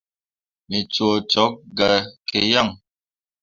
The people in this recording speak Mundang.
Me coo cok gah ke yan.